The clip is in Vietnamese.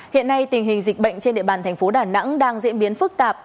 hiện nay tình hình dịch bệnh trên địa bàn thành phố đà nẵng đang diễn biến phức tạp